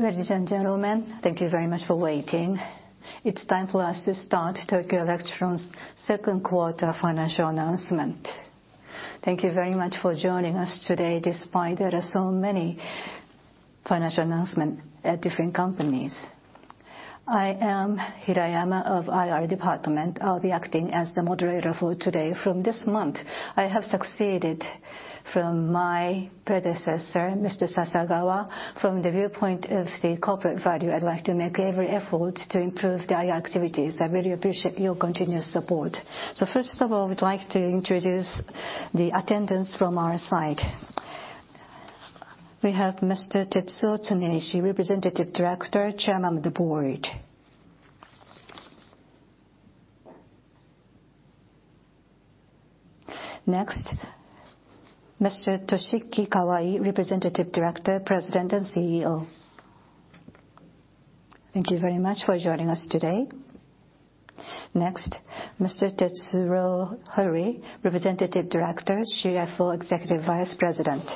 Ladies and gentlemen, thank you very much for waiting. It is time for us to start Tokyo Electron's second quarter financial announcement. Thank you very much for joining us today despite there are so many financial announcement at different companies. I am Hirayama of IR Department. I will be acting as the moderator for today. From this month, I have succeeded from my predecessor, Mr. Sasagawa. From the viewpoint of the corporate value, I would like to make every effort to improve the IR activities. I really appreciate your continuous support. First of all, we would like to introduce the attendance from our side. We have Mr. Tetsuro Higashi, Representative Director, Chairman of the Board. Next, Mr. Toshiki Kawai, Representative Director, President, and CEO. Thank you very much for joining us today. Next, Mr. Tetsuro Hori, Representative Director, CFO, Executive Vice President.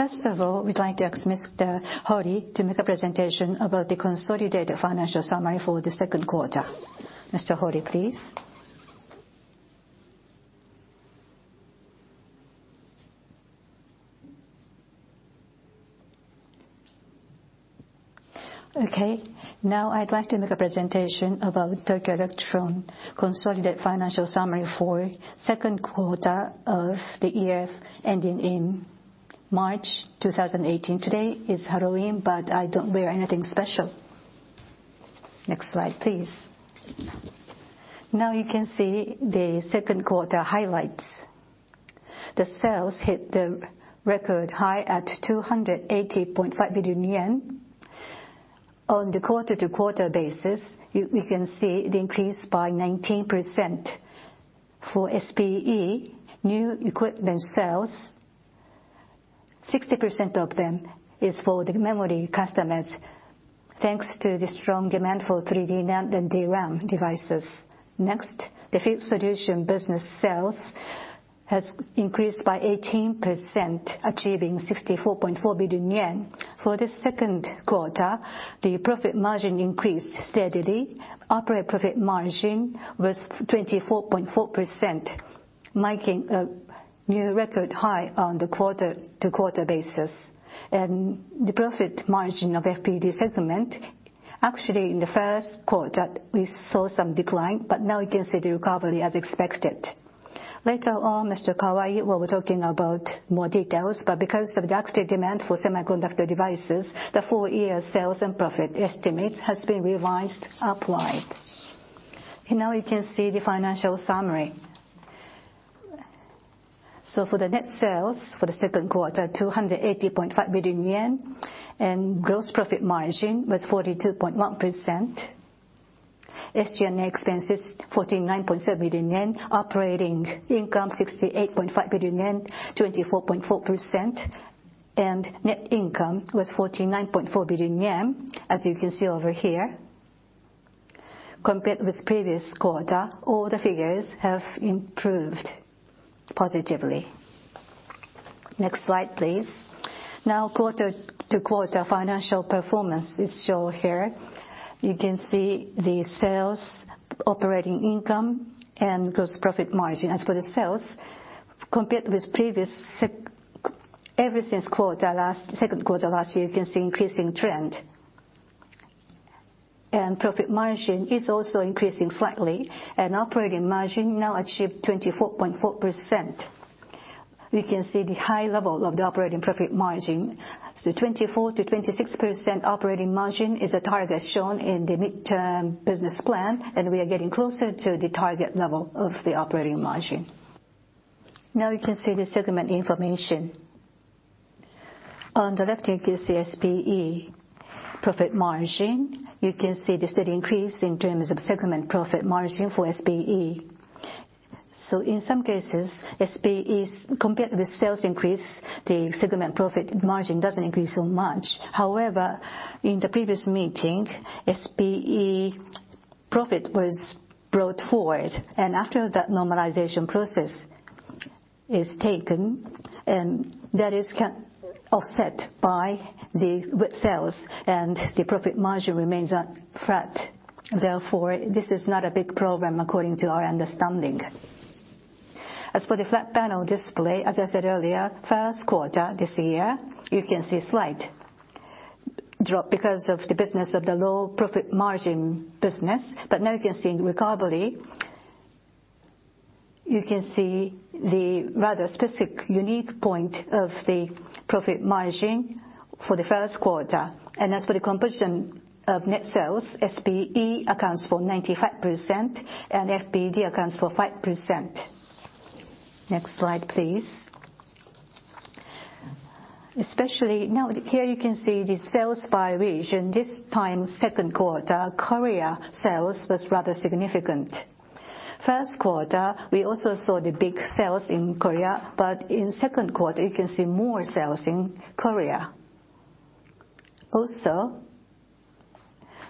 First of all, we would like to ask Mr. Hori to make a presentation about the consolidated financial summary for the second quarter. Mr. Hori, please. Now I would like to make a presentation about Tokyo Electron consolidated financial summary for second quarter of the year ending in March 2018. Today is Halloween, but I do not wear anything special. Next slide, please. You can see the second quarter highlights. The sales hit the record high at 280.5 billion yen. On the quarter-over-quarter basis, you can see it increased by 19%. For SPE new equipment sales, 60% of them is for the memory customers, thanks to the strong demand for 3D NAND and DRAM devices. Next, the Field Solutions business sales has increased by 18%, achieving 64.4 billion yen. For the second quarter, the profit margin increased steadily. Operating profit margin was 24.4%, making a new record high on the quarter-over-quarter basis. The profit margin of FPD segment, actually in the first quarter, we saw some decline, but now we can see the recovery as expected. Later on, Mr. Kawai will be talking about more details, but because of the active demand for semiconductor devices, the full year sales and profit estimates has been revised upright. You can see the financial summary. For the net sales, for the second quarter, 280.5 billion yen and gross profit margin was 42.1%. SG&A expenses, 49.7 billion yen, operating income 68.5 billion yen, 24.4%, and net income was 49.4 billion yen, as you can see over here. Compared with previous quarter, all the figures have improved positively. Next slide, please. Now, quarter-over-quarter financial performance is shown here. You can see the sales, operating income, and gross profit margin. For the sales, compared with ever since second quarter last year, you can see increasing trend. Profit margin is also increasing slightly, and operating margin now achieved 24.4%. We can see the high level of the operating profit margin. 24%-26% operating margin is a target shown in the mid-term business plan, and we are getting closer to the target level of the operating margin. You can see the segment information. On the left, you can see SPE profit margin. You can see the steady increase in terms of segment profit margin for SPE. In some cases, SPE, compared with sales increase, the segment profit margin does not increase so much. However, in the previous meeting, SPE profit was brought forward, and after that normalization process is taken, That is offset by the WFE sales, and the profit margin remains at flat. This is not a big problem according to our understanding. As for the flat panel display, as I said earlier, first quarter this year, you can see slight drop because of the business of the low profit margin business. Now you can see in recovery, you can see the rather specific unique point of the profit margin for the first quarter. As for the composition of net sales, SPE accounts for 95% and FPD accounts for 5%. Next slide, please. Especially now, here you can see the sales by region. This time, second quarter, Korea sales was rather significant. First quarter, we also saw the big sales in Korea, but in second quarter, you can see more sales in Korea.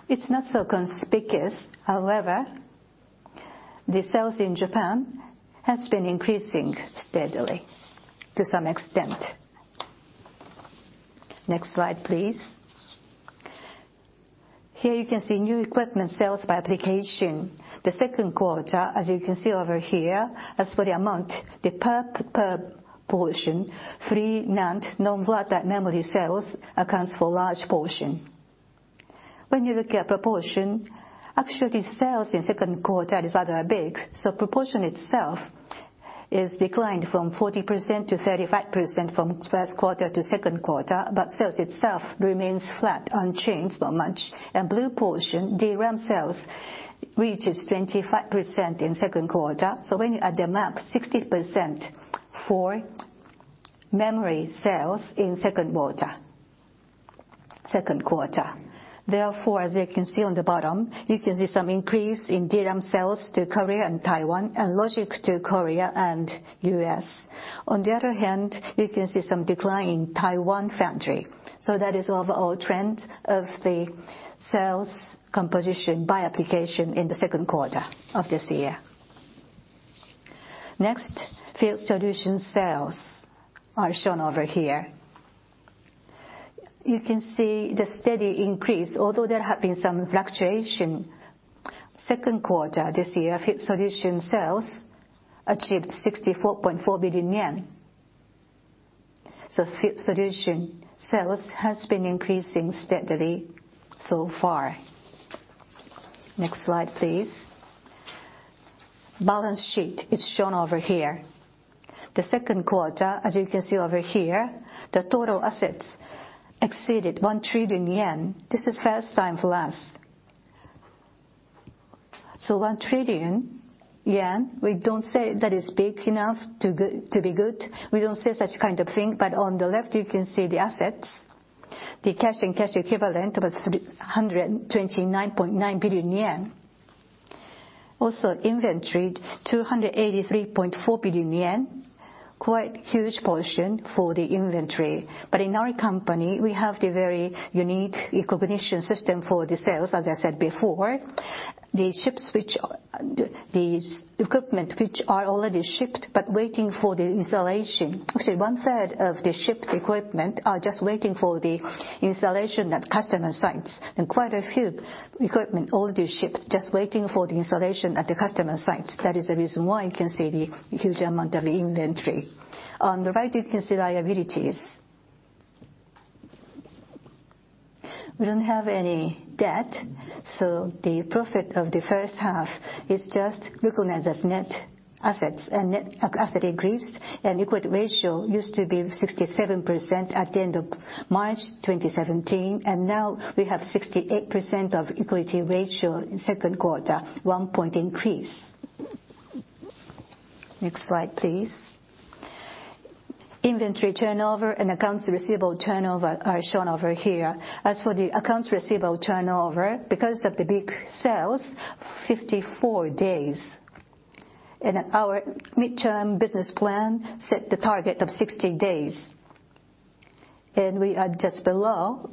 It's not so conspicuous. However, the sales in Japan has been increasing steadily to some extent. Next slide, please. Here you can see new equipment sales by application. The second quarter, as you can see over here, as for the amount, the purple portion, 3D NAND, non-volatile memory sales, accounts for large portion. When you look at proportion, actually sales in second quarter is rather big, so proportion itself is declined from 40% to 35% from first quarter to second quarter, but sales itself remains flat, unchanged, not much. Blue portion, DRAM sales, reaches 25% in second quarter. When you add them up, 60% for memory sales in second quarter. As you can see on the bottom, you can see some increase in DRAM sales to Korea and Taiwan, and Logic to Korea and U.S. On the other hand, you can see some decline in Taiwan foundry. That is overall trend of the sales composition by application in the second quarter of this year. Next, Field Solutions sales are shown over here. You can see the steady increase, although there have been some fluctuation. Second quarter this year, Field Solutions sales achieved 64.4 billion yen. Field Solutions sales has been increasing steadily so far. Next slide, please. Balance sheet is shown over here. The second quarter, as you can see over here, the total assets exceeded 1 trillion yen. This is first time for us. 1 trillion yen, we don't say that is big enough to be good. We don't say such kind of thing, but on the left you can see the assets. The cash and cash equivalent was 129.9 billion yen. Inventory 283.4 billion yen, quite huge portion for the inventory. In our company, we have the very unique recognition system for the sales, as I said before. The equipment which are already shipped, but waiting for the installation. Actually, one third of the shipped equipment are just waiting for the installation at customer sites, and quite a few equipment already shipped just waiting for the installation at the customer site. That is the reason why you can see the huge amount of inventory. On the right, you can see liabilities. We don't have any debt, so the profit of the first half is just recognized as net assets, and net asset increased, and equity ratio used to be 67% at the end of March 2017, and now we have 68% of equity ratio in second quarter, one point increase. Next slide, please. Inventory turnover and accounts receivable turnover are shown over here. As for the accounts receivable turnover, because of the big sales, 54 days. Our midterm business plan set the target of 60 days, we are just below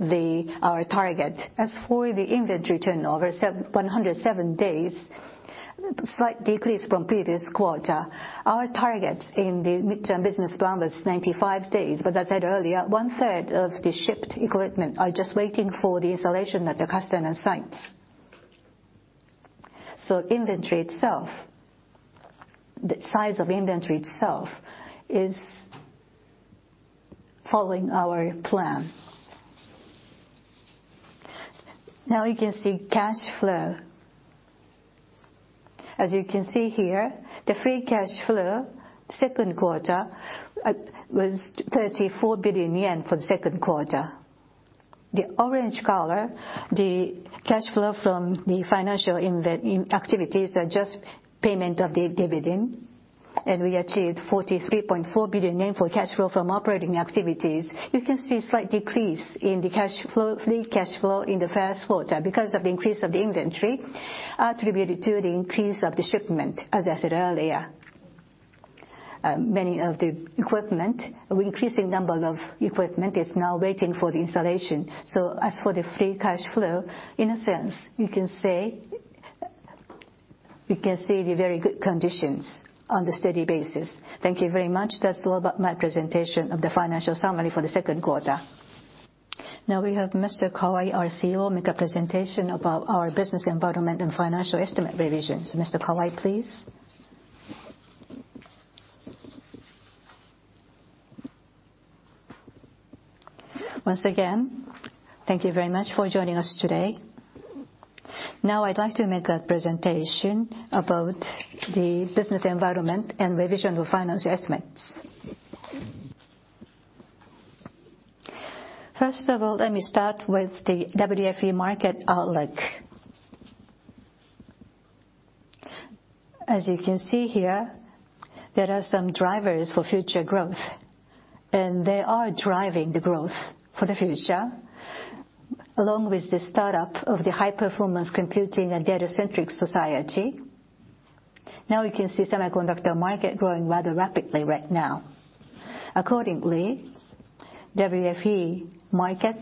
our target. As for the inventory turnover, 107 days, slight decrease from previous quarter. Our target in the midterm business plan was 95 days, but I said earlier, one third of the shipped equipment are just waiting for the installation at the customer sites. The size of inventory itself is following our plan. Now you can see cash flow. As you can see here, the free cash flow second quarter was 34 billion yen for the second quarter. The orange color, the cash flow from the financial activities are just payment of the dividend. We achieved 43.4 billion yen for cash flow from operating activities. You can see slight decrease in the free cash flow in the first quarter because of the increase of the inventory attributed to the increase of the shipment, as I said earlier. Increasing number of equipment is now waiting for the installation. As for the free cash flow, in a sense, we can see the very good conditions on the steady basis. Thank you very much. That's all about my presentation of the financial summary for the second quarter. Now we have Mr. Kawai, our CEO, make a presentation about our business environment and financial estimate revisions. Mr. Kawai, please. Once again, thank you very much for joining us today. Now I'd like to make a presentation about the business environment and revision of financial estimates. First of all, let me start with the WFE market outlook. As you can see here, there are some drivers for future growth, they are driving the growth for the future, along with the start-up of the high-performance computing and data-centric society. Now we can see semiconductor market growing rather rapidly right now. Accordingly, WFE market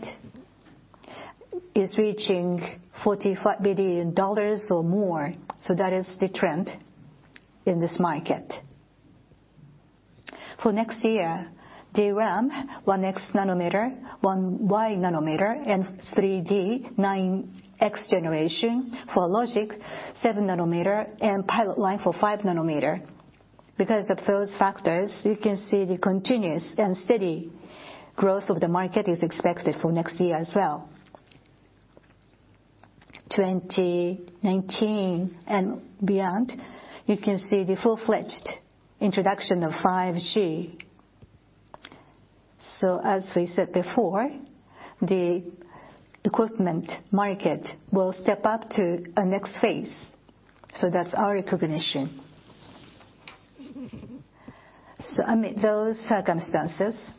is reaching $45 billion or more. That is the trend in this market. For next year, DRAM, 1X nanometer, 1Y nanometer, and 3D, 9X generation. For logic, 7 nanometer and pilot line for 5 nanometer. Because of those factors, you can see the continuous and steady growth of the market is expected for next year as well. 2019 and beyond, you can see the full-fledged introduction of 5G. As we said before, the equipment market will step up to a next phase. That's our recognition. Amid those circumstances,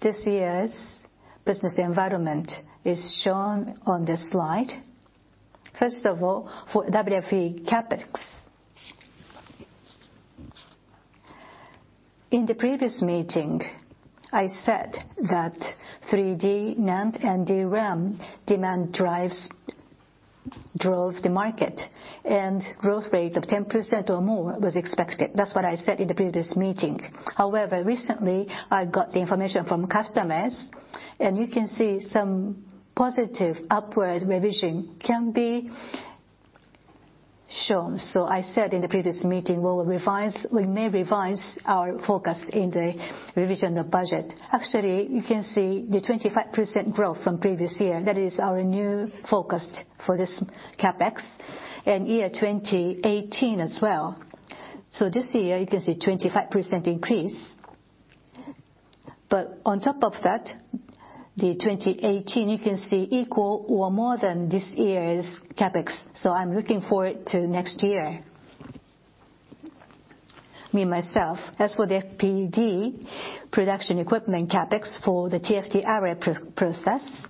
this year's business environment is shown on this slide. First of all, for WFE CapEx. In the previous meeting, I said that 3D NAND and DRAM demand drove the market, growth rate of 10% or more was expected. That's what I said in the previous meeting. However, recently, I got the information from customers, you can see some positive upward revision can be shown. I said in the previous meeting, we may revise our forecast in the revision of budget. Actually, you can see the 25% growth from previous year. That is our new forecast for this CapEx, year 2018 as well. This year, you can see 25% increase. On top of that, the 2018 you can see equal or more than this year's CapEx. I'm looking forward to next year, me myself. As for the FPD production equipment CapEx for the TFT array process,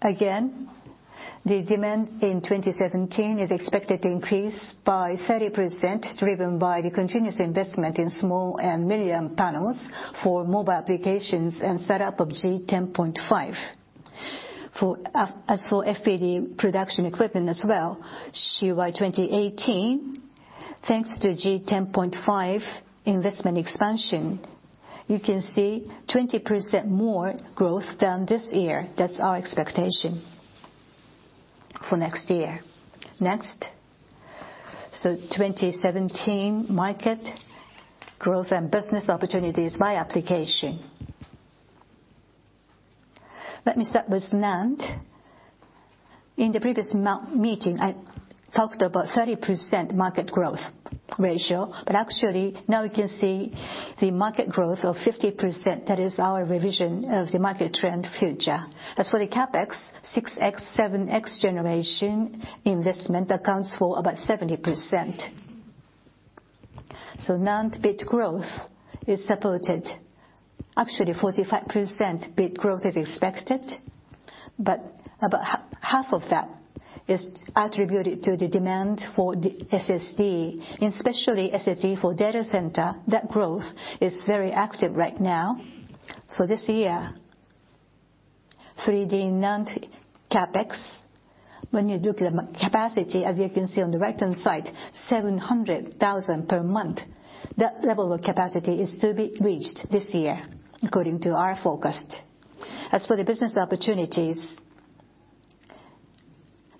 again, the demand in 2017 is expected to increase by 30%, driven by the continuous investment in small and medium panels for mobile applications and set up of G 10.5. As for FPD production equipment as well, CY 2018, thanks to G 10.5 investment expansion, you can see 20% more growth than this year. That is our expectation for next year. Next. 2017 market growth and business opportunities by application. Let me start with NAND. In the previous meeting, I talked about 30% market growth ratio, but actually now you can see the market growth of 50%. That is our revision of the market trend future. As for the CapEx, 6X 7X generation investment accounts for about 70%. NAND bit growth is supported. Actually, 45% bit growth is expected, but about half of that is attributed to the demand for the SSD, and especially SSD for data center. That growth is very active right now. For this year, 3D NAND CapEx, when you look at capacity, as you can see on the right-hand side, 700,000 per month. That level of capacity is to be reached this year, according to our forecast. As for the business opportunities,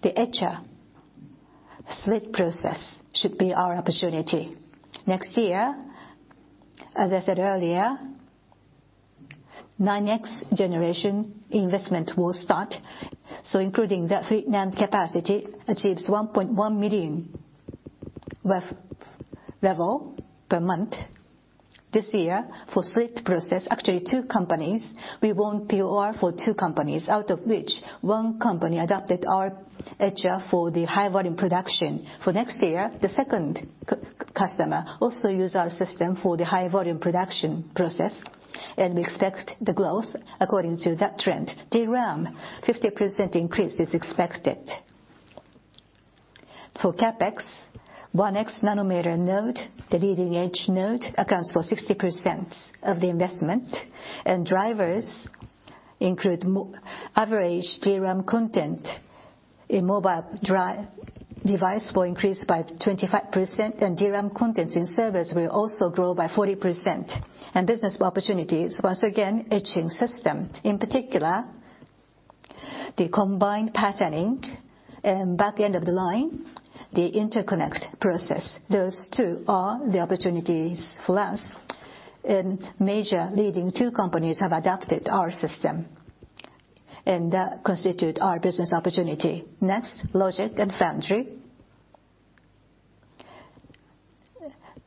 the etcher slit process should be our opportunity. Next year, as I said earlier, 9X generation investment will start, including that 3D NAND capacity achieves 1.1 million level per month. This year, for slit process, actually two companies. We won POR for two companies, out of which one company adopted our etcher for the high volume production. For next year, the second customer also use our system for the high volume production process. We expect the growth according to that trend. DRAM, 50% increase is expected. For CapEx, 1X nanometer node, the leading-edge node, accounts for 60% of the investment. Drivers include average DRAM content in mobile device will increase by 25%, and DRAM contents in servers will also grow by 40%. Business opportunities, once again, etching system. In particular, the combined patterning and back-end of the line, the interconnect process. Those two are the opportunities for us, and major leading two companies have adopted our system. That constitute our business opportunity. Next, logic and foundry.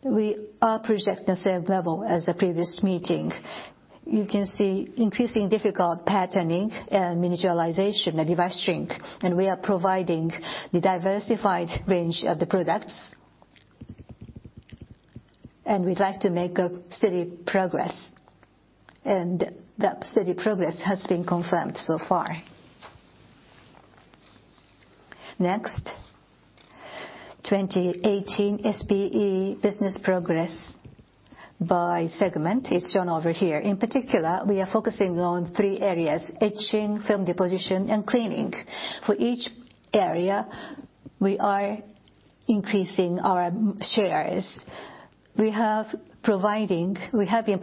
We are projecting the same level as the previous meeting. You can see increasing difficult patterning, and miniaturization, and device shrink. We are providing the diversified range of the products. We'd like to make a steady progress. That steady progress has been confirmed so far. Next, 2018 SPE business progress by segment is shown over here. In particular, we are focusing on three areas, etching, film deposition, and cleaning. For each area, we are increasing our shares. We have been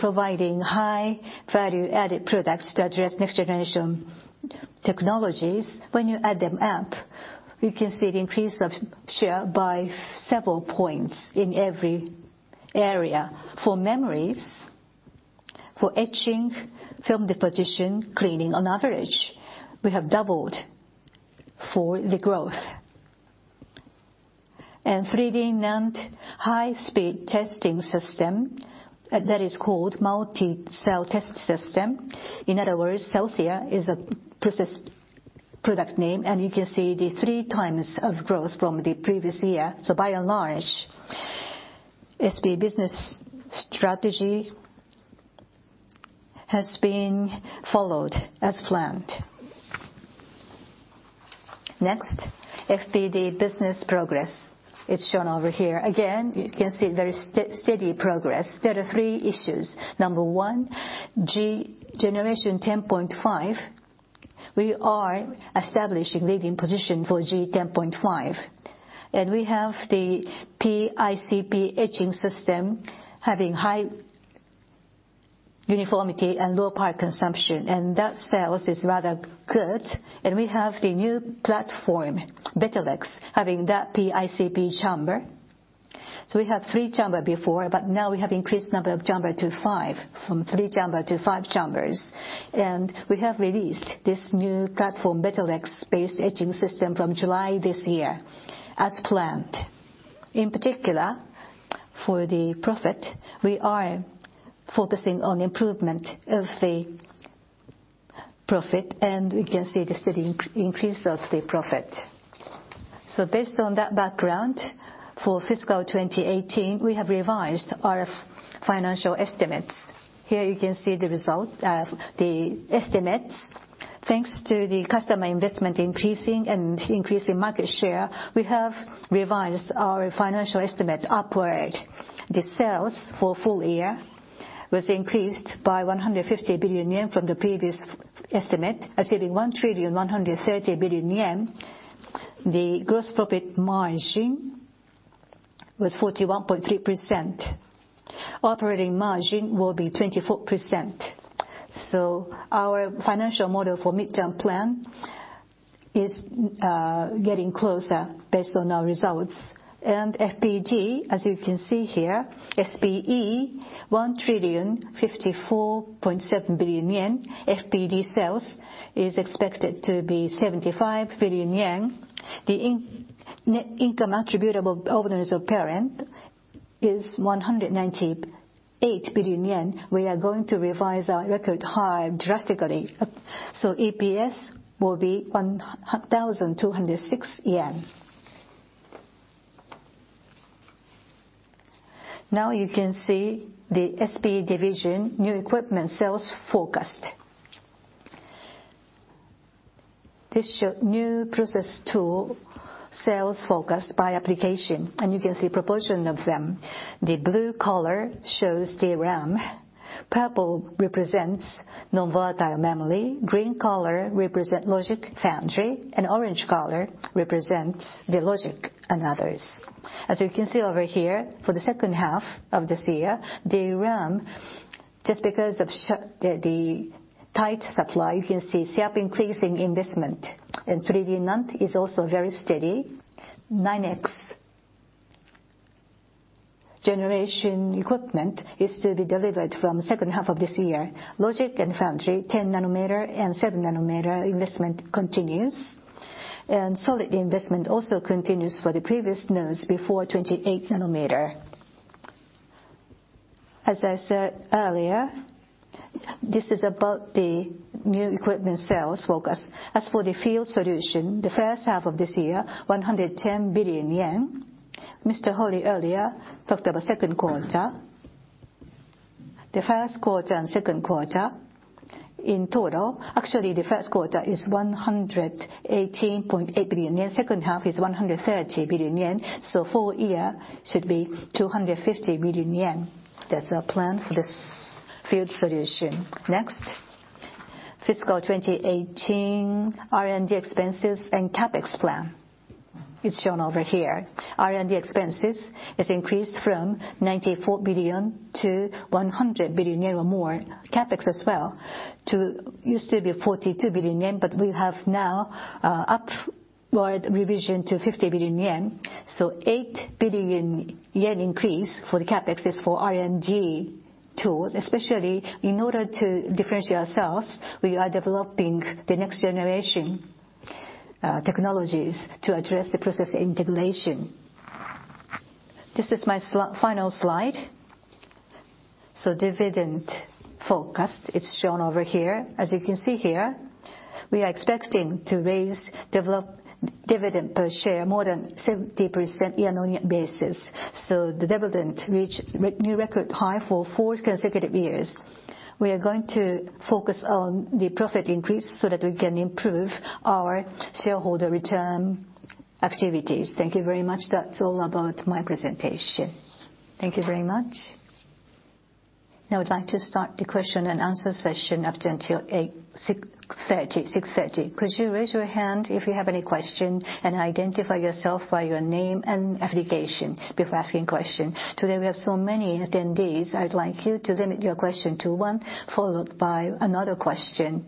providing high value-added products to address next generation technologies. When you add them up, you can see the increase of share by several points in every area. For memories, for etching, film deposition, cleaning, on average, we have doubled for the growth. 3D NAND high-speed testing system, that is called Multi-Cell Test System. In other words, Cellcia is a product name, and you can see the three times of growth from the previous year. By and large, SPE business strategy has been followed as planned. Next, FPD business progress is shown over here. Again, you can see very steady progress. There are three issues. Number one, generation 10.5. We are establishing leading position for G 10.5, and we have the ICP etching system having high uniformity and low power consumption, and that sales is rather good. We have the new platform, MetaleX, having that ICP chamber. We had three chambers before, but now we have increased number of chambers to five, from three chambers to five chambers. We have released this new platform, MetaleX-based etching system, from July this year as planned. In particular, for the profit, we are focusing on improvement of the profit, and we can see the steady increase of the profit. Based on that background, for fiscal 2018, we have revised our financial estimates. Here you can see the result of the estimates. Thanks to the customer investment increasing and increasing market share, we have revised our financial estimate upward. The sales for full year was increased by 150 billion yen from the previous estimate, exceeding 1,130 billion yen. The gross profit margin was 41.3%. Operating margin will be 24%. Our financial model for midterm plan is getting closer based on our results. FPD, as you can see here, SPE, 1,054.7 billion yen. FPD sales is expected to be 75 billion yen. The net income attributable to owners of parent is 198 billion yen. We are going to revise our record high drastically. EPS will be JPY 1,206. Now you can see the SPE division new equipment sales forecast. This show new process tool sales forecast by application, and you can see proportion of them. The blue color shows DRAM. Purple represents non-volatile memory. Green color represents logic foundry, and orange color represents the logic and others. As you can see over here, for the second half of this year, the DRAM, just because of the tight supply, you can see sharp increase in investment. 3D NAND is also very steady. 9X generation equipment is to be delivered from the second half of this year. Logic and foundry, 10 nanometer and seven nanometer investment continues. Solid investment also continues for the previous nodes before 28 nanometer. As I said earlier, this is about the new equipment sales forecast. As for the Field Solutions, the first half of this year, 110 billion yen. Mr. Hori earlier talked about second quarter. The first quarter and second quarter in total, actually the first quarter is 118.8 billion yen. Second half is 130 billion yen. Full year should be 250 billion yen. That's our plan for this Field Solutions. Next, fiscal 2018 R&D expenses and CapEx plan is shown over here. R&D expenses is increased from 94 billion to 100 billion yen or more. CapEx as well, used to be 42 billion yen, but we have now upward revision to 50 billion yen. 8 billion yen increase for the CapEx is for R&D tools. Especially in order to differentiate ourselves, we are developing the next generation technologies to address the process integration. This is my final slide. Dividend forecast is shown over here. As you can see here, we are expecting to raise dividend per share more than 70% year-on-year basis. The dividend reached new record high for four consecutive years. We are going to focus on the profit increase so that we can improve our shareholder return activities. Thank you very much. That's all about my presentation. Thank you very much. I'd like to start the question and answer session up until 6:30 P.M. Could you raise your hand if you have any question, and identify yourself by your name and affiliation before asking question. Today, we have so many attendees, I would like you to limit your question to one, followed by another question.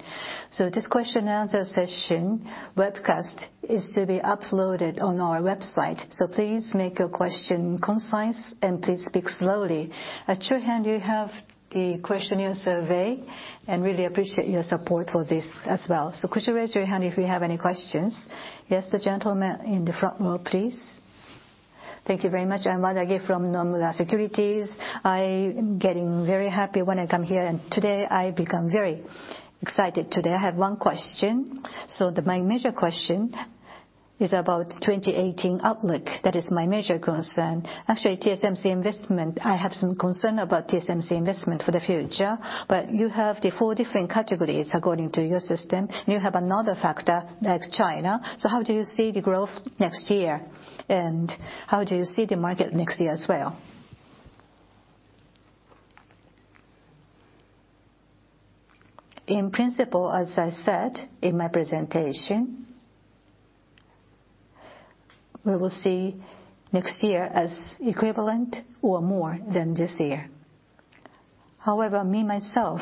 This question and answer session webcast is to be uploaded on our website. Please make your question concise, and please speak slowly. At your hand you have the questionnaire survey, and really appreciate your support for this as well. Could you raise your hand if you have any questions? Yes, the gentleman in the front row, please. Thank you very much. I'm Wadaki from Nomura Securities. I am getting very happy when I come here, and today I become very excited today. I have one question. My major question is about 2018 outlook. That is my major concern. Actually, TSMC investment, I have some concern about TSMC investment for the future, you have the four different categories according to your system. You have another factor, like China. How do you see the growth next year? How do you see the market next year as well? In principle, as I said in my presentation, we will see next year as equivalent or more than this year. However, me myself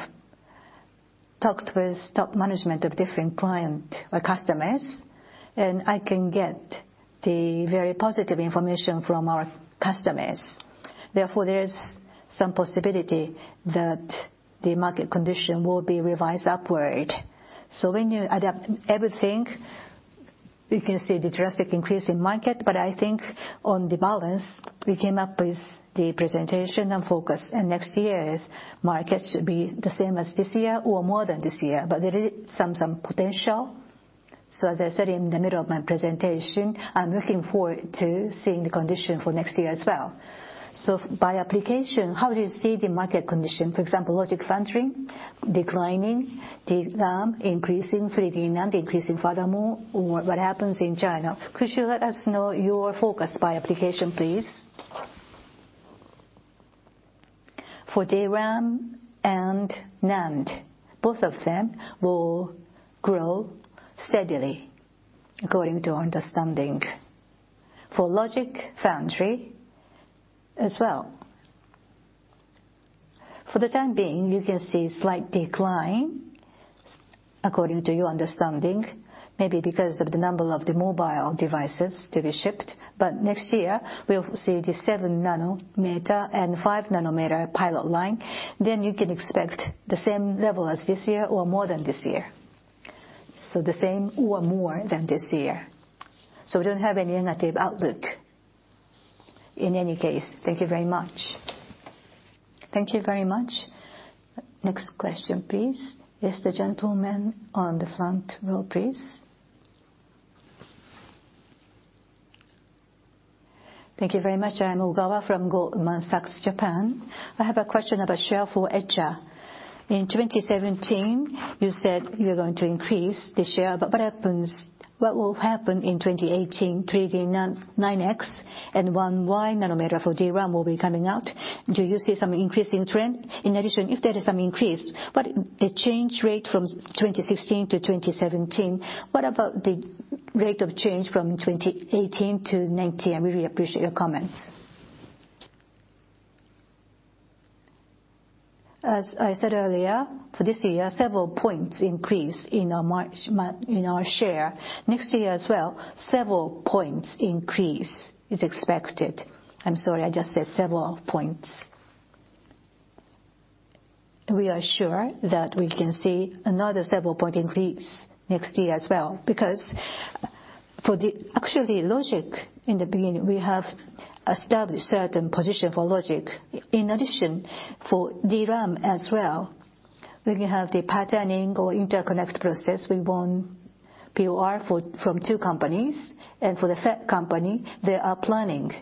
talked with top management of different customers, and I can get the very positive information from our customers. Therefore, there is some possibility that the market condition will be revised upward. When you adapt everything, you can see the drastic increase in market, I think on the balance, we came up with the presentation and focus, next year's market should be the same as this year or more than this year. There is some potential. As I said in the middle of my presentation, I'm looking forward to seeing the condition for next year as well. By application, how do you see the market condition? For example, logic foundry declining, DRAM increasing 3D NAND increasing furthermore, or what happens in China? Could you let us know your focus by application, please? For DRAM and NAND, both of them will grow steadily, according to our understanding. For logic foundry as well. For the time being, you can see slight decline, according to your understanding, maybe because of the number of the mobile devices to be shipped. Next year, we'll see the seven nanometer and five nanometer pilot line. You can expect the same level as this year or more than this year. The same or more than this year. We don't have any negative outlook in any case. Thank you very much. Thank you very much. Next question, please. Yes, the gentleman on the front row, please. Thank you very much. I am Ogawa from Goldman Sachs Japan. I have a question about share for etcher. In 2017, you said you're going to increase the share, what will happen in 2018, 3D NAND 9X and 1Y nanometer for DRAM will be coming out. Do you see some increasing trend? In addition, if there is some increase, what the change rate from 2016 to 2017? What about the rate of change from 2018 to 2019? I really appreciate your comments. As I said earlier, for this year, several points increase in our share. Next year as well, several points increase is expected. I'm sorry, I just said several points. We are sure that we can see another several point increase next year as well because actually logic in the beginning, we have established certain position for logic. In addition, for DRAM as well, when you have the patterning or interconnect process, we won POR from two companies, and for the third company, they are planning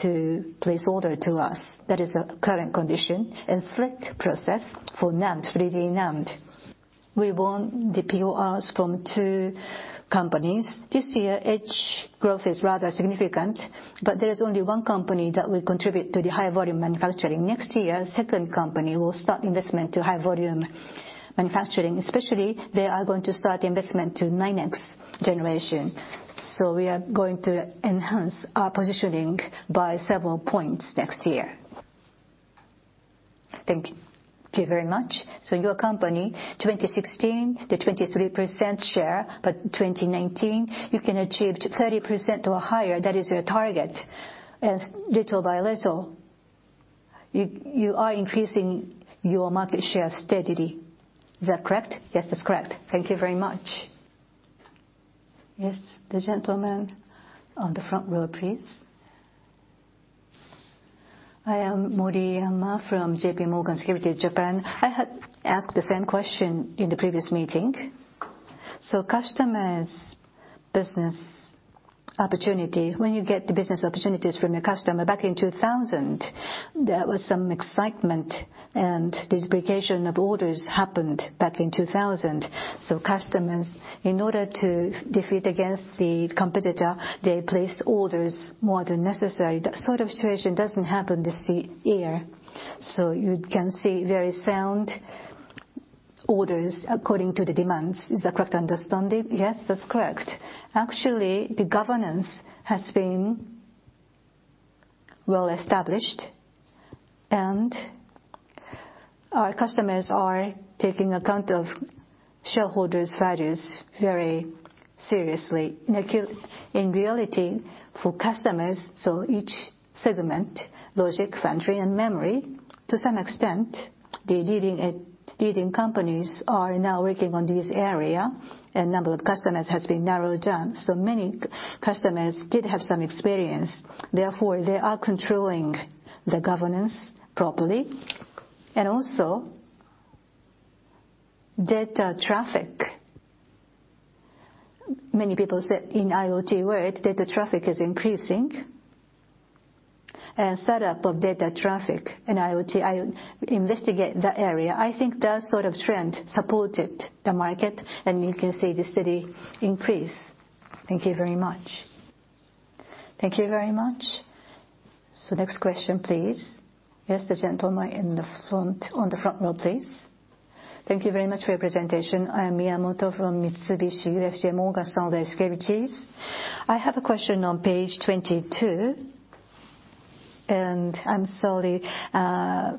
to place order to us. That is the current condition. Slit process for 3D NAND. We won the PORs from two companies. This year, etch growth is rather significant, but there is only one company that will contribute to the high volume manufacturing. Next year, second company will start investment to high volume manufacturing, especially they are going to start investment to 9X generation. We are going to enhance our positioning by several points next year. Thank you very much. Your company, 2016, the 23% share, but 2019 you can achieve 30% or higher. That is your target. Little by little, you are increasing your market share steadily. Is that correct? Yes, that's correct. Thank you very much. Yes, the gentleman on the front row, please. I am Moriyama from JPMorgan Securities Japan. I had asked the same question in the previous meeting. Customers' business opportunity, when you get the business opportunities from a customer back in 2000, there was some excitement and duplication of orders happened back in 2000. Customers, in order to defeat against the competitor, they placed orders more than necessary. That sort of situation doesn't happen this year. You can see very sound orders according to the demands. Is that correct understanding? Yes, that's correct. Actually, the governance has been well established, and our customers are taking account of shareholders' values very seriously. In reality, for customers, each segment, logic, foundry, and memory, to some extent, the leading companies are now working on this area, and number of customers has been narrowed down. Many customers did have some experience. Therefore, they are controlling the governance properly. Also data traffic. Many people said in IoT world, data traffic is increasing. Setup of data traffic in IoT, I investigate that area. I think that sort of trend supported the market, and you can see the steady increase. Thank you very much. Thank you very much. Next question, please. Yes, the gentleman in the front, on the front row, please. Thank you very much for your presentation. I am Miyamoto from Mitsubishi UFJ Morgan Stanley Securities. I have a question on page 22, I'm sorry to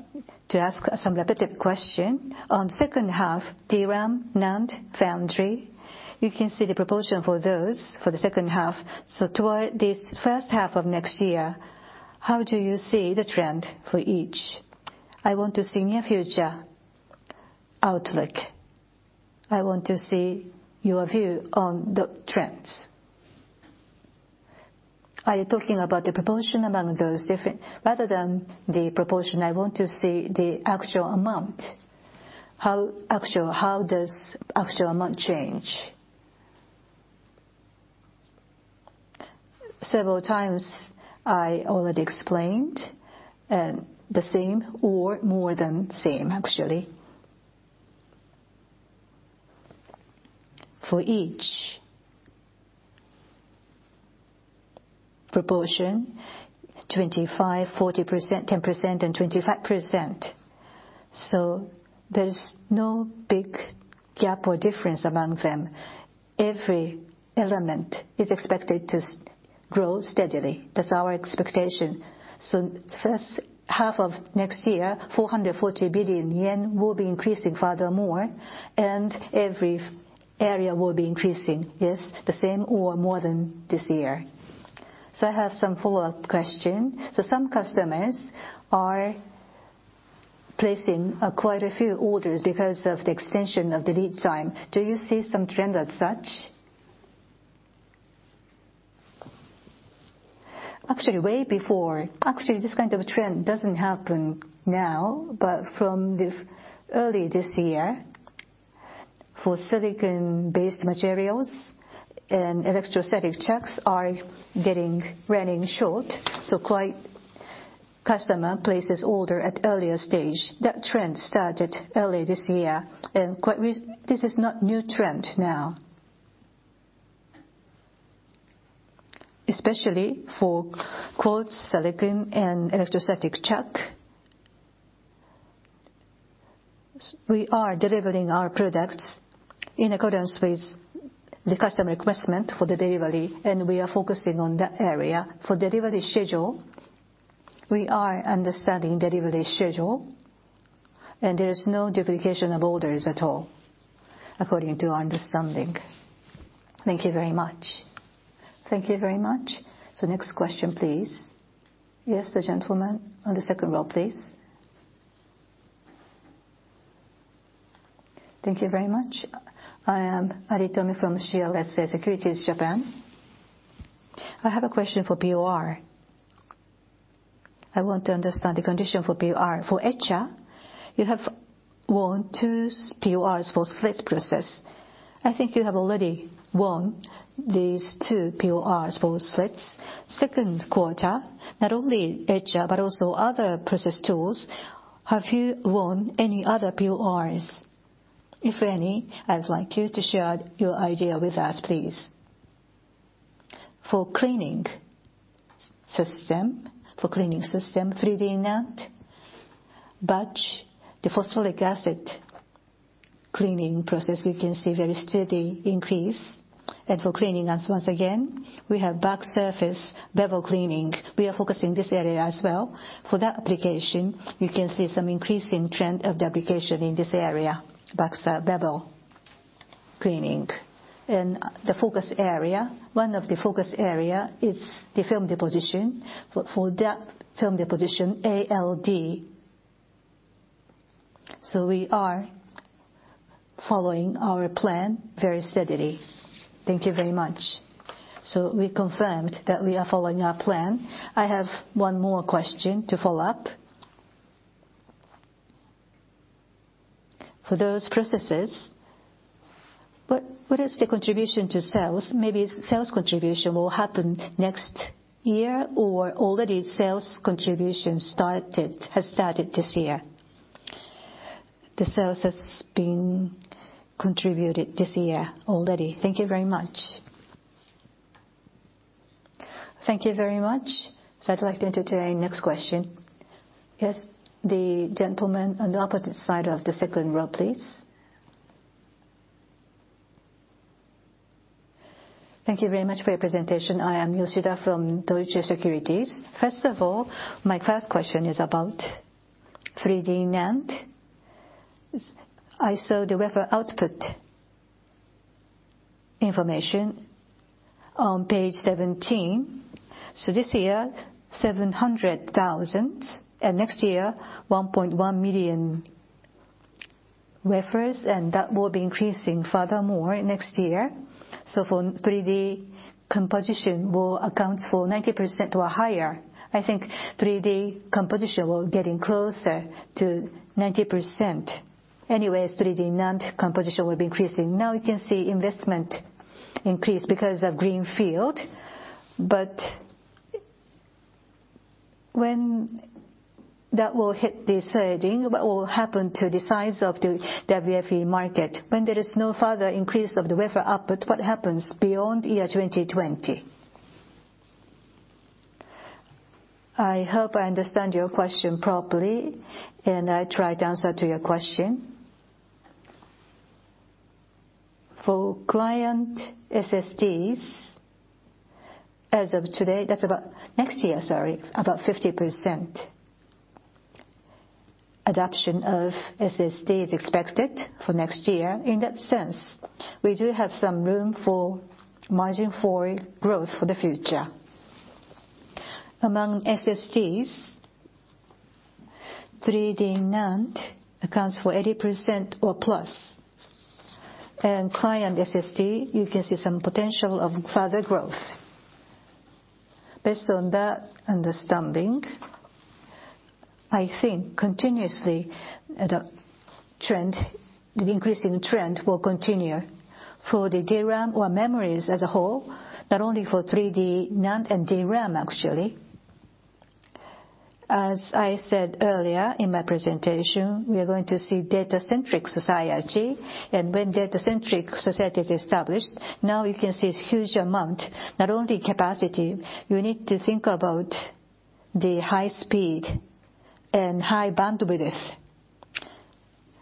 ask some repetitive question. On second half, DRAM, NAND, foundry, you can see the proportion for those for the second half. Toward this first half of next year, how do you see the trend for each? I want to see near future outlook. I want to see your view on the trends. Are you talking about the proportion among those? Rather than the proportion, I want to see the actual amount. How does actual amount change? Several times I already explained, the same or more than same actually. For each proportion, 25, 40%, 10% and 25%. There's no big gap or difference among them. Every element is expected to grow steadily. That's our expectation. First half of next year, 440 billion yen will be increasing furthermore, and every area will be increasing, yes, the same or more than this year. I have some follow-up question. Some customers are placing quite a few orders because of the extension of the lead time. Do you see some trend as such? Actually, way before, this kind of trend doesn't happen now, but from early this year, for silicon-based materials and electrostatic chucks are getting running short. Customer places order at earlier stage. That trend started early this year, and this is not new trend now. Especially for quartz, silicon and electrostatic chucks, we are delivering our products in accordance with the customer request for the delivery, and we are focusing on that area. For delivery schedule, we are understanding delivery schedule, and there is no duplication of orders at all according to our understanding. Thank you very much. Thank you very much. Next question, please. Yes, the gentleman on the second row, please. Thank you very much. I am Aritomi from CLSA Securities Japan. I have a question for POR. I want to understand the condition for POR. For etcher, you have won two PORs for slit process. I think you have already won these two PORs for slits. Second quarter, not only etcher, but also other process tools. Have you won any other PORs? If any, I would like you to share your idea with us, please. For cleaning system 3D NAND, batch, the phosphoric acid cleaning process, you can see very steady increase. And for cleaning, once again, we have backside and bevel edge cleaning. We are focusing this area as well. For that application, you can see some increasing trend of duplication in this area, backside and bevel edge cleaning. And the focus area, one of the focus area is the film deposition. For that film deposition, ALD. We are following our plan very steadily. Thank you very much. We confirmed that we are following our plan. I have one more question to follow up. For those processes, what is the contribution to sales? Maybe sales contribution will happen next year, or already sales contribution has started this year. The sales has been contributed this year already. Thank you very much. Thank you very much. I'd like to entertain next question. Yes, the gentleman on the opposite side of the second row, please. Thank you very much for your presentation. I am Yoshida from Deutsche Securities. First of all, my first question is about 3D NAND. I saw the wafer output information on page 17. This year, 700,000, and next year, 1.1 million wafers, and that will be increasing furthermore next year. For 3D composition will account for 90% or higher. I think 3D composition will getting closer to 90%. Anyway, 3D NAND composition will be increasing. Now you can see investment increase because of greenfield. When that will hit the ceiling, what will happen to the size of the WFE market? When there is no further increase of the wafer output, what happens beyond year 2020? I hope I understand your question properly, and I try to answer to your question. For client SSDs, as of today. Next year, sorry, about 50% adoption of SSD is expected for next year. In that sense, we do have some room for margin for growth for the future. Among SSDs, 3D NAND accounts for 80% or plus. In client SSD, you can see some potential of further growth. Based on that understanding, I think continuously the increasing trend will continue for the DRAM or memories as a whole, not only for 3D NAND and DRAM, actually. As I said earlier in my presentation, we are going to see data-centric society. When data-centric society is established, now you can see it's huge amount, not only capacity, you need to think about the high speed and high bandwidth,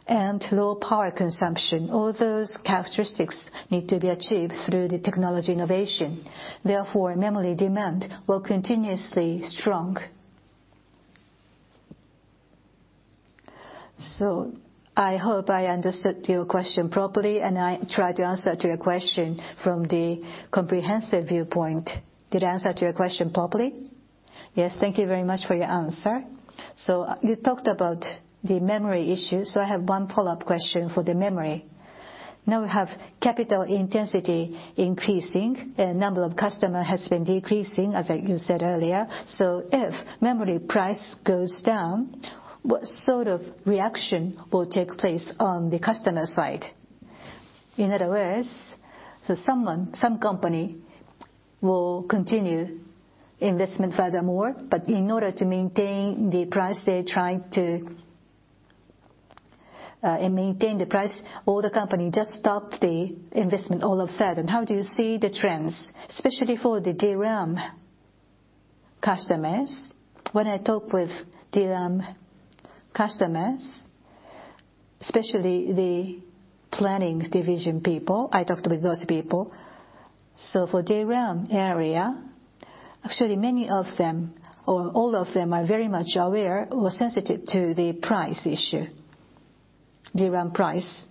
and low power consumption. All those characteristics need to be achieved through the technology innovation. Therefore, memory demand will continuously strong. I hope I understood your question properly, and I try to answer to your question from the comprehensive viewpoint. Did I answer to your question properly? Yes. Thank you very much for your answer. You talked about the memory issue. I have one follow-up question for the memory. Now we have capital intensity increasing, and number of customer has been decreasing, as you said earlier. If memory price goes down, what sort of reaction will take place on the customer side? In other words, some company will continue investment furthermore, but in order to maintain the price, they're trying to maintain the price, or the company just stop the investment all of sudden. How do you see the trends, especially for the DRAM customers? When I talk with DRAM customers, especially the planning division people, I talked with those people. For DRAM area, actually many of them or all of them are very much aware or sensitive to the price issue, DRAM price.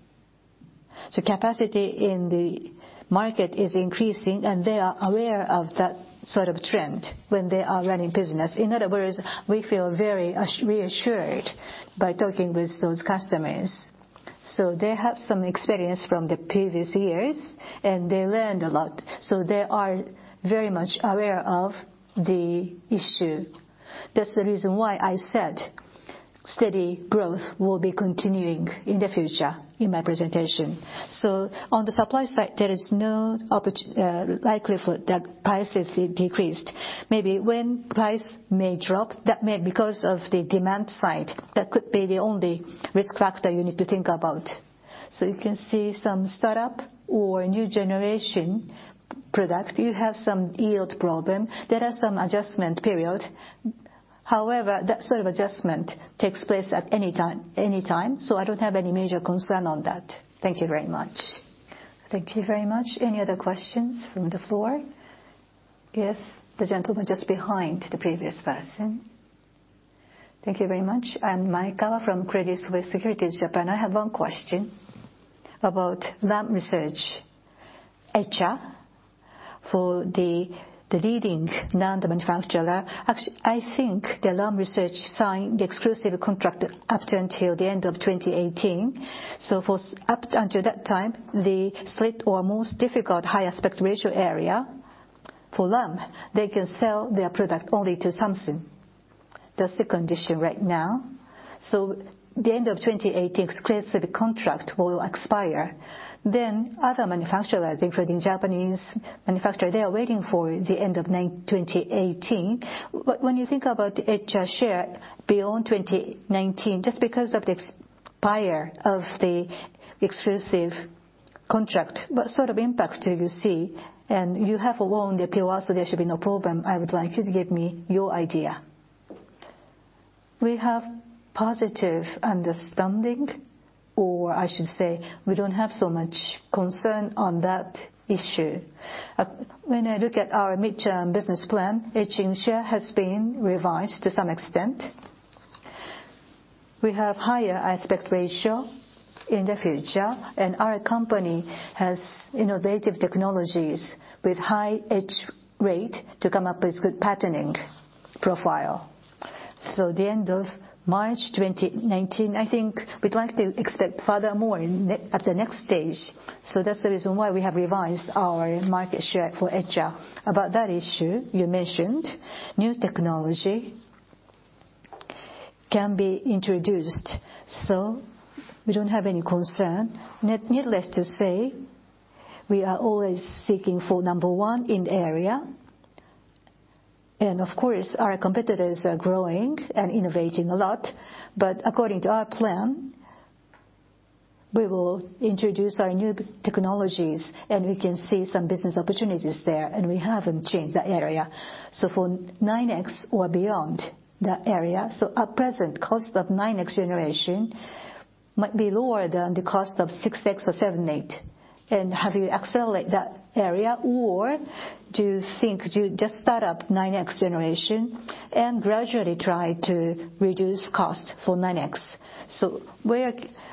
Capacity in the market is increasing, and they are aware of that sort of trend when they are running business. In other words, we feel very reassured by talking with those customers. They have some experience from the previous years, and they learned a lot. They are very much aware of the issue. That's the reason why I said steady growth will be continuing in the future in my presentation. On the supply side, there is no likelihood that prices decreased. Maybe when price may drop, that may because of the demand side. That could be the only risk factor you need to think about. You can see some startup or new generation product, you have some yield problem. There are some adjustment period. However, that sort of adjustment takes place at any time, so I don't have any major concern on that. Thank you very much. Thank you very much. Any other questions from the floor? Yes, the gentleman just behind the previous person. Thank you very much. I'm Mika Maekawa from Credit Suisse Securities Japan. I have one question about Lam Research. Etcher For the leading NAND manufacturer, actually, I think the Lam Research signed the exclusive contract up until the end of 2018. Up until that time, the slit or most difficult high aspect ratio area, for Lam, they can sell their product only to Samsung. That's the condition right now. The end of 2018, exclusive contract will expire, then other manufacturer, I think for the Japanese manufacturer, they are waiting for the end of 2018. When you think about etcher share beyond 2019, just because of the expire of the exclusive contract, what sort of impact do you see? You have won the POR, so there should be no problem. I would like you to give me your idea. We have positive understanding, or I should say, we don't have so much concern on that issue. When I look at our mid-term business plan, etching share has been revised to some extent. We have higher aspect ratio in the future, and our company has innovative technologies with high etch rate to come up with good patterning profile. The end of March 2019, I think we'd like to expect furthermore at the next stage. That's the reason why we have revised our market share for etcher. About that issue you mentioned, new technology can be introduced, so we don't have any concern. Needless to say, we are always seeking for number one in the area. Of course, our competitors are growing and innovating a lot. According to our plan, we will introduce our new technologies, and we can see some business opportunities there, and we haven't changed that area. For 9X or beyond that area. At present, cost of 9X generation might be lower than the cost of 6X or 7, 8. Have you accelerate that area or do you think you just start up 9X generation and gradually try to reduce cost for 9X?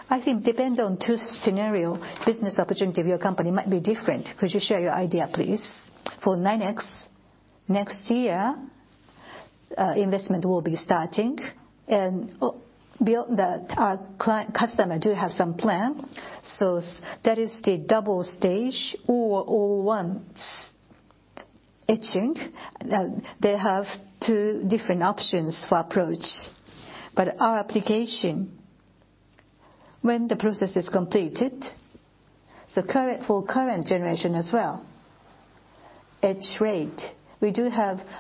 I think depend on two scenario, business opportunity of your company might be different. Could you share your idea, please? For 9X, next year, investment will be starting and our customer do have some plan. That is the double stage or one etching. They have two different options for approach. Our application, when the process is completed, for current generation as well, etch rate,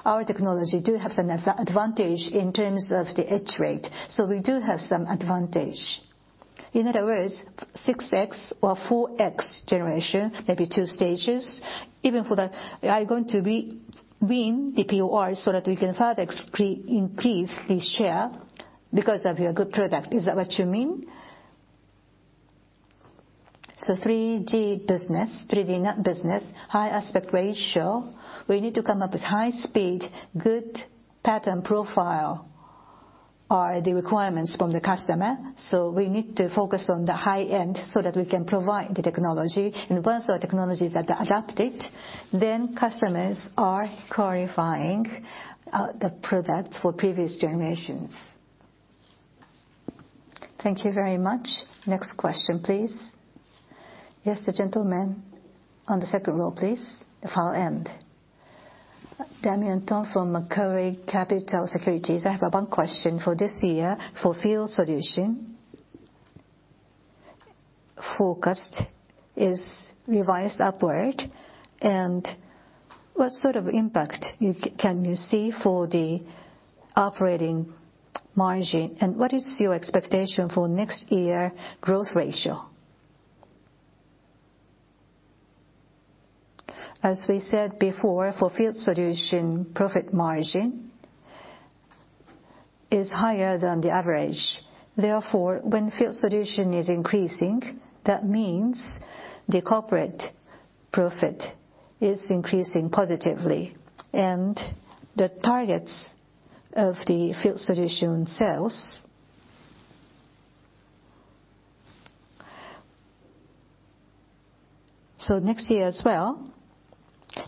our technology do have some advantage in terms of the etch rate. We do have some advantage. In other words, 6X or 4X generation, maybe two stages, even for that, are going to win the POR so that we can further increase the share because of your good product. Is that what you mean? 3D business, high aspect ratio, we need to come up with high speed, good pattern profile are the requirements from the customer. We need to focus on the high-end so that we can provide the technology. Once our technologies are adapted, then customers are qualifying the product for previous generations. Thank you very much. Next question, please. Yes, the gentleman on the second row, please. Far end. Damian Thong from Macquarie Capital Securities. I have one question. For this year, for Field Solution, forecast is revised upward, and what sort of impact can you see for the operating margin, and what is your expectation for next year growth ratio? As we said before, for Field Solution, profit margin is higher than the average. Therefore, when Field Solution is increasing, that means the corporate profit is increasing positively and the targets of the Field Solution sales Next year as well,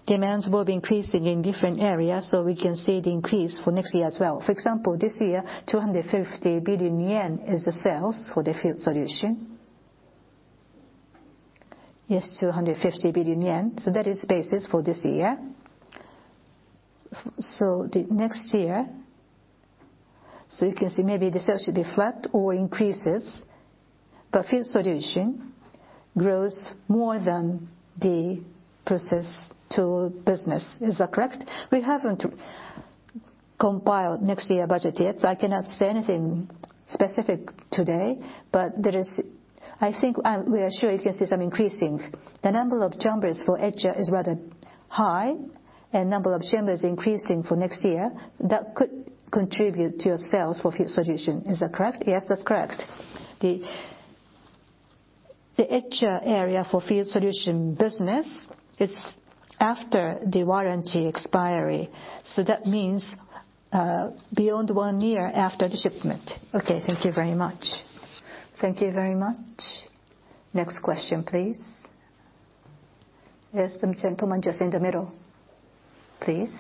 demands will be increasing in different areas, so we can see the increase for next year as well. For example, this year, 250 billion yen is the sales for the Field Solution. Yes, 250 billion yen. That is basis for this year. The next year, you can see maybe the sales should be flat or increases, but Field Solution grows more than the process tool business. Is that correct? We haven't compiled next year budget yet. I cannot say anything specific today, but I think we are sure you can see some increasing. The number of chambers for etcher is rather high, and number of chambers increasing for next year, that could contribute to your sales for Field Solutions. Is that correct? Yes, that's correct. The etcher area for Field Solutions business is after the warranty expiry, so that means beyond one year after the shipment. Okay. Thank you very much. Thank you very much. Next question, please. Yes, the gentleman just in the middle, please.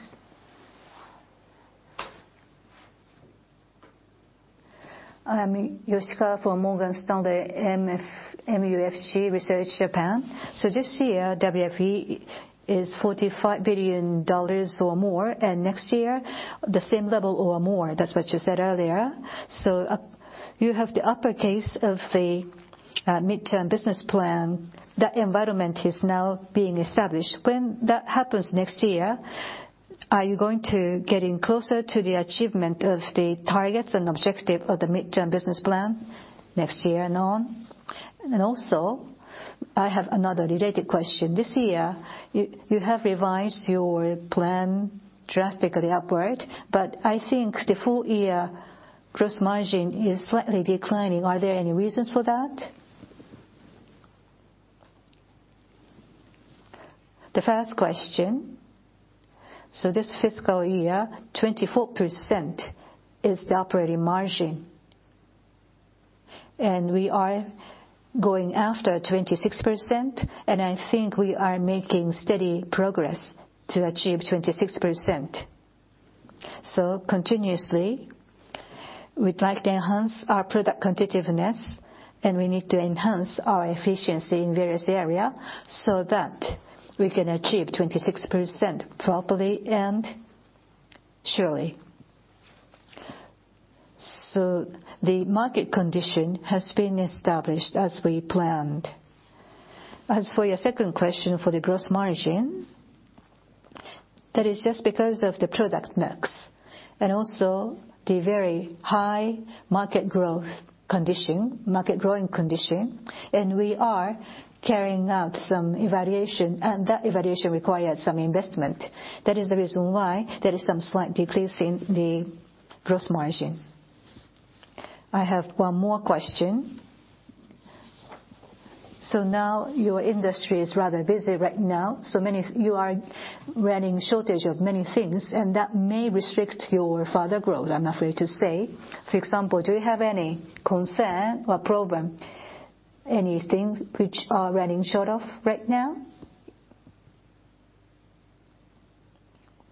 I am Yoshikawa from Morgan Stanley MUFG Securities, Japan. This year, WFE is JPY 45 billion or more, and next year, the same level or more. That's what you said earlier. You have the upper case of the mid-term business plan. That environment is now being established. When that happens next year, are you going to get in closer to the achievement of the targets and objective of the mid-term business plan next year and on? Also, I have another related question. This year, you have revised your plan drastically upward, but I think the full year gross margin is slightly declining. Are there any reasons for that? The first question. This fiscal year, 24% is the operating margin, and we are going after 26%, and I think we are making steady progress to achieve 26%. Continuously, we'd like to enhance our product competitiveness, and we need to enhance our efficiency in various area so that we can achieve 26% properly and surely. The market condition has been established as we planned. As for your second question for the gross margin, that is just because of the product mix and also the very high market growing condition, and we are carrying out some evaluation, and that evaluation requires some investment. That is the reason why there is some slight decrease in the gross margin. I have one more question. Now your industry is rather busy right now. You are running shortage of many things, and that may restrict your further growth, I'm afraid to say. For example, do you have any concern or problem, any things which are running short of right now?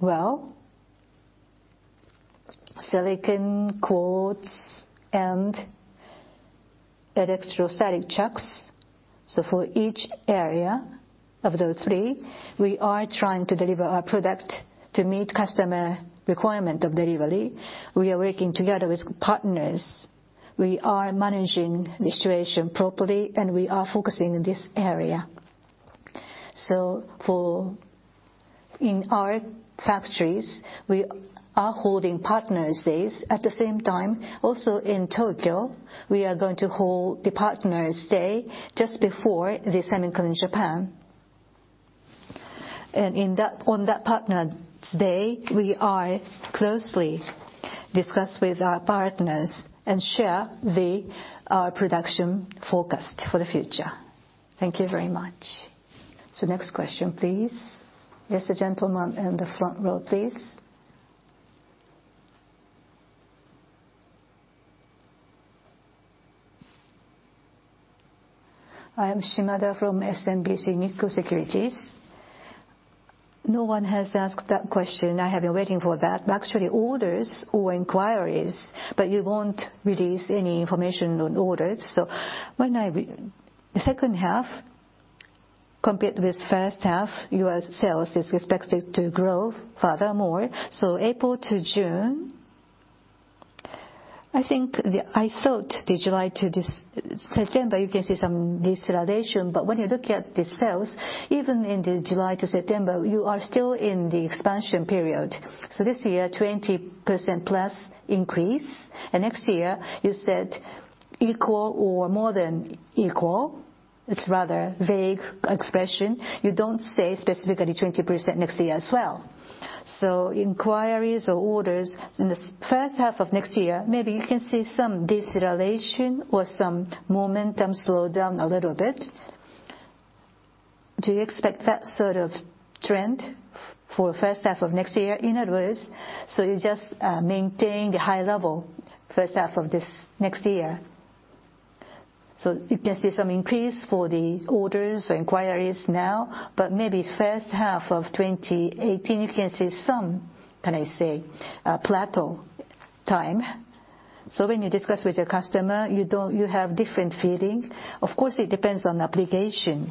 Well, silicon, quartz, and electrostatic chucks. For each area of those three, we are trying to deliver our product to meet customer requirement of delivery. We are working together with partners. We are managing the situation properly, and we are focusing on this area. In our factories, we are holding partners days. At the same time, also in Tokyo, we are going to hold the partners day just before the SEMICON Japan. On that partners day, we are closely discuss with our partners and share our production forecast for the future. Thank you very much. Next question, please. Yes, the gentleman in the front row, please. I am Shimada from SMBC Nikko Securities Inc. No one has asked that question. I have been waiting for that. Actually, orders or inquiries, but you won't release any information on orders. The second half compared with first half, your sales is expected to grow furthermore. April to June, I thought the July to September, you can see some deceleration, but when you look at the sales, even in the July to September, you are still in the expansion period. This year, 20% plus increase, and next year you said equal or more than equal. It is rather vague expression. You do not say specifically 20% next year as well. Inquiries or orders in the first half of next year, maybe you can see some deceleration or some momentum slow down a little bit. Do you expect that sort of trend for first half of next year? In other words, you just maintain the high level first half of this next year. You can see some increase for the orders or inquiries now, but maybe first half of 2018, you can see some, can I say, plateau time. When you discuss with your customer, you have different feeling. Of course, it depends on application.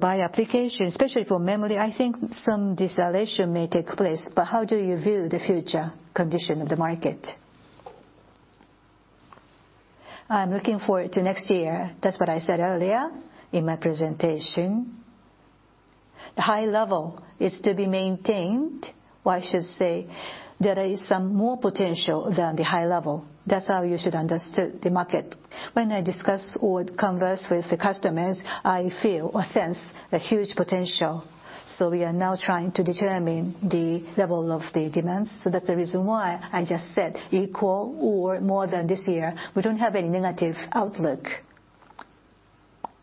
By application, especially for memory, I think some deceleration may take place, but how do you view the future condition of the market? I am looking forward to next year. That is what I said earlier in my presentation. The high level is to be maintained. I should say, there is some more potential than the high level. That is how you should understood the market. When I discuss or converse with the customers, I feel or sense a huge potential, we are now trying to determine the level of the demands. That is the reason why I just said equal or more than this year. We do not have any negative outlook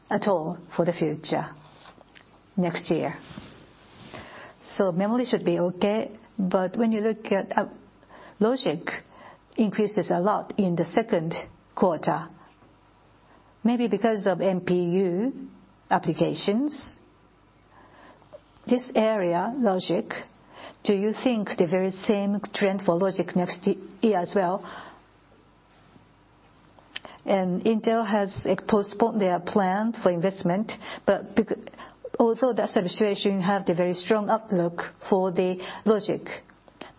at all for the future, next year. Memory should be okay, but when you look at logic, increases a lot in the second quarter, maybe because of MPU applications. This area, logic, do you think the very same trend for logic next year as well? Intel has postponed their plan for investment, but although that is the situation, you have the very strong outlook for the logic.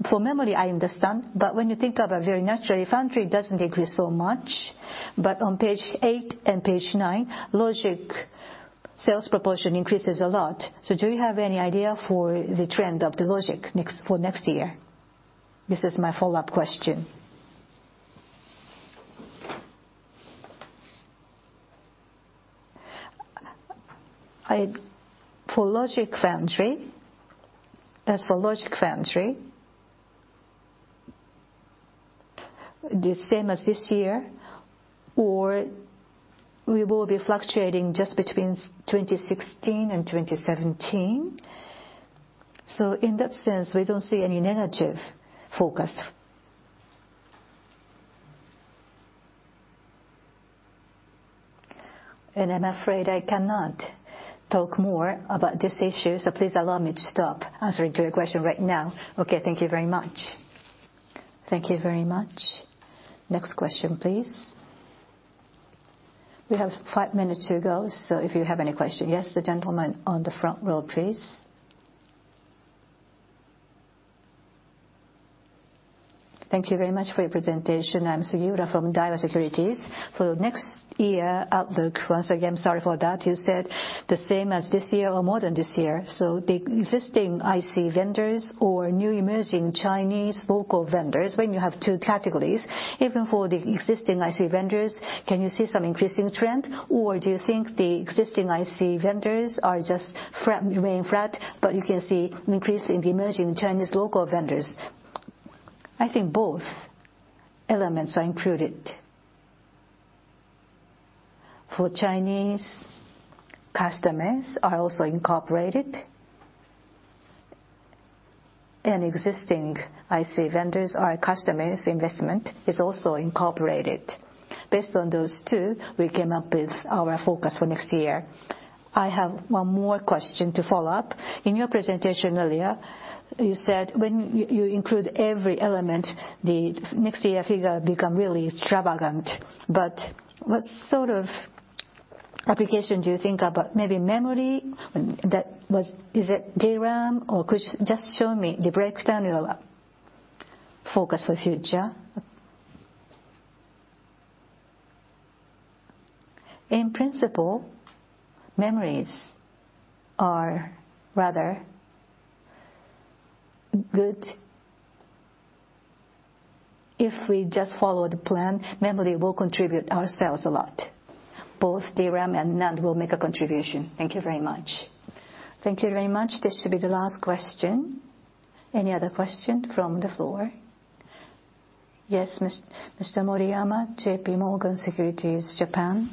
For memory, I understand, but when you think of it very naturally, foundry does not increase so much. On page eight and page nine, logic sales proportion increases a lot. Do you have any idea for the trend of the logic for next year? This is my follow-up question. For logic foundry, as for logic foundry, the same as this year, or we will be fluctuating just between 2016 and 2017. In that sense, we do not see any negative forecast. I am afraid I cannot talk more about this issue, please allow me to stop answering to your question right now. Okay, thank you very much. Thank you very much. Next question, please. We have five minutes to go, if you have any questions. Yes, the gentleman on the front row, please. Thank you very much for your presentation. I am Sugiura from Daiwa Securities. For next year outlook, once again, sorry for that, you said the same as this year or more than this year. The existing IC vendors or new emerging Chinese local vendors, when you have two categories, even for the existing IC vendors, can you see some increasing trend? Do you think the existing IC vendors are just remaining flat, but you can see an increase in the emerging Chinese local vendors? I think both elements are included. Chinese customers are also incorporated, and existing IC vendors or customers investment is also incorporated. Based on those two, we came up with our focus for next year. I have one more question to follow up. In your presentation earlier, you said when you include every element, the next year figure become really extravagant. What sort of application do you think about? Maybe memory? Is it DRAM? Could you just show me the breakdown of your focus for future? In principle, memories are rather good. If we just follow the plan, memory will contribute our sales a lot. Both DRAM and NAND will make a contribution. Thank you very much. Thank you very much. This should be the last question. Any other question from the floor? Yes, Mr. Moriyama, JPMorgan Securities Japan.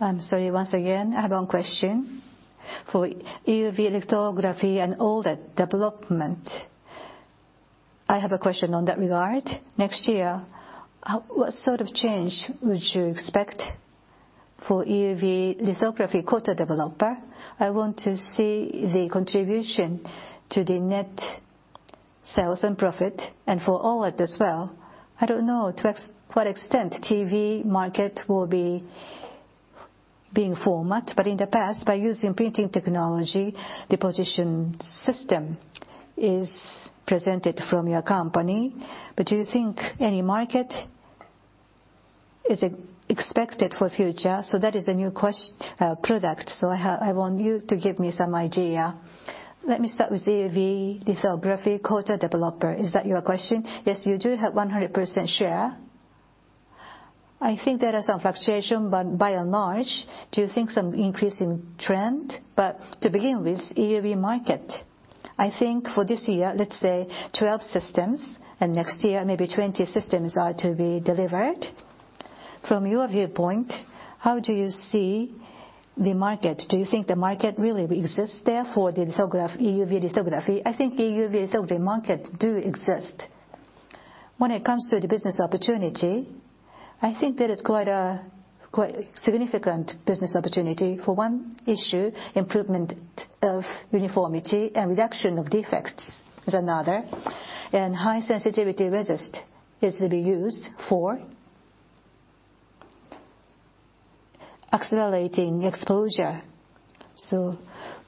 I'm sorry, once again, I have one question. For EUV lithography and all the development, I have a question on that regard. Next year, what sort of change would you expect for EUV lithography coater/developer? I want to see the contribution to the net sales and profit, and for OLED as well. I don't know to what extent TV market will be being format, but in the past, by using printing technology, deposition system is presented from your company. Do you think any market is expected for future? That is a new product. I want you to give me some idea. Let me start with EUV lithography coater/developer. Is that your question? Yes. You do have 100% share. I think there are some fluctuation, but by and large, do you think some increasing trend? To begin with, EUV market, I think for this year, let's say 12 systems, and next year, maybe 20 systems are to be delivered. From your viewpoint, how do you see the market? Do you think the market really exists, therefore, the EUV lithography? I think EUV lithography market do exist. When it comes to the business opportunity, I think there is quite significant business opportunity. For one issue, improvement of uniformity and reduction of defects is another, and high sensitivity resist is to be used for accelerating exposure.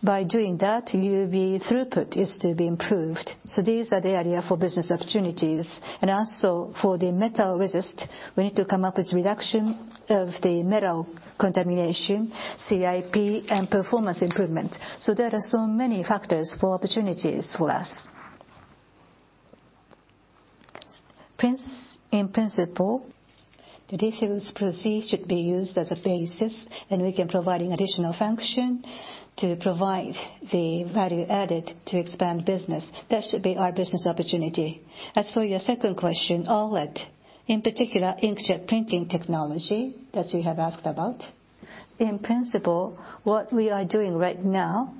By doing that, EUV throughput is to be improved. These are the area for business opportunities. Also, for the metal resist, we need to come up with reduction of the metal contamination, CIP, and performance improvement. There are so many factors for opportunities for us. In principle, the diffusion procedure should be used as a basis, and we can provide an additional function to provide the value added to expand business. That should be our business opportunity. As for your second question, OLED, in particular, inkjet printing technology that you have asked about. In principle, what we are doing right now,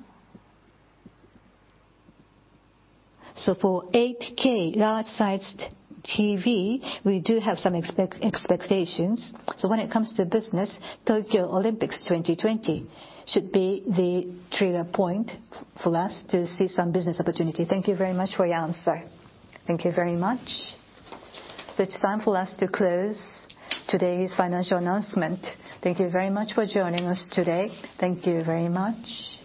for 8K large-sized TV, we do have some expectations. When it comes to business, Tokyo 2020 should be the trigger point for us to see some business opportunity. Thank you very much for your answer. Thank you very much. It's time for us to close today's financial announcement. Thank you very much for joining us today. Thank you very much